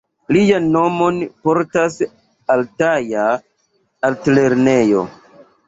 Lian nomon portas altaja altlernejo.